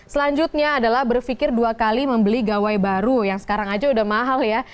selanjutnya adalah berpikir dua kali membeli gawai baru yang sekarang aja udah mahal ya